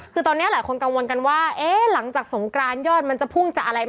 คือตอนนี้หลายคนกังวลกันว่าเอ๊ะหลังจากสงกรานยอดมันจะพุ่งจะอะไร